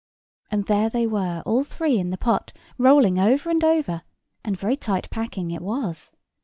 And there they were all three in the pot, rolling over and over, and very tight packing it was.